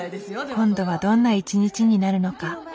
今度はどんな一日になるのか。